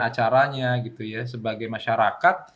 acaranya gitu ya sebagai masyarakat